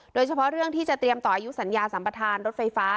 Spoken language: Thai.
โดยเฉพาะเรื่องที่จะเตรียมต่ออายุสัญญาสัมประธานรถไฟฟ้า